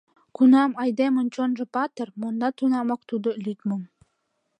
Кунам айдемын чонжо патыр, Монда тунамак тудо лӱдмым.